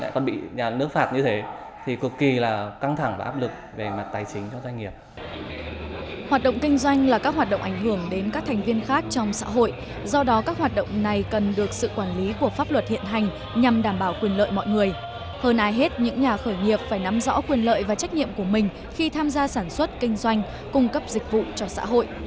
các nhà khởi nghiệp phải nắm rõ quyền lợi và trách nhiệm của mình khi tham gia sản xuất kinh doanh cung cấp dịch vụ cho xã hội